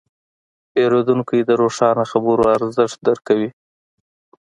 پیرودونکی د روښانه خبرو ارزښت درک کوي.